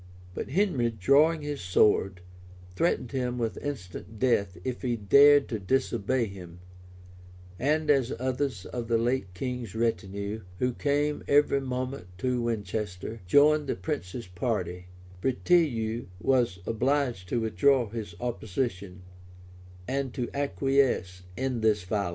But Henry, drawing his sword, threatened him with instant death if he dared to disobey him; and as others of the late king's retinue, who came every moment to Winchester, joined the prince's party, Breteuil was obliged to withdraw his opposition, and to acquiesce in this violence.